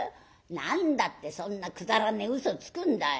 何だってそんなくだらねえうそつくんだい。